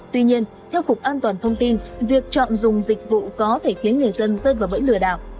tuy nhiên theo cục an toàn thông tin việc chọn dùng dịch vụ có thể khiến người dân rơi vào bẫy lừa đảo